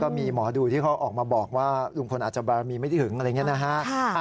มีหมอดูที่เขาออกมาบอกว่าลุงพลอาจจะบารมีไม่ได้ถึงอะไรอย่างนี้นะฮะ